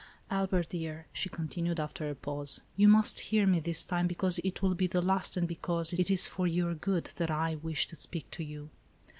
" Albert, dear," .she continued, after a pause, "you must hear me, this time, because it will be the last, and because it is for your good, that I wish to speak to you.